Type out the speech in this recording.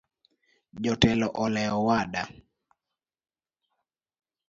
Jotelo olewo owada.